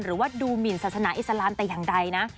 หรือว่าดูหมินศาสนาอิสลามแต่อย่างใดนะ